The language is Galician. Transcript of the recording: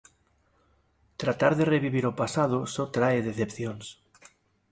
Tratar de revivir o pasado só trae decepcións.